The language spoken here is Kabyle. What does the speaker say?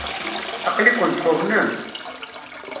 Aql-ikent tuḍnemt!